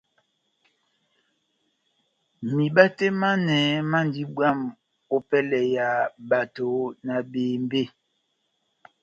Miba tɛh manɛ mandi bwamh opɛlɛ ya bato na bembe.